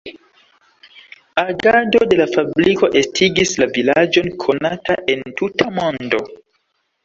Agado de la fabriko estigis la vilaĝon konata en tuta mondo.